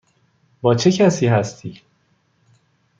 با چه کسی هستی؟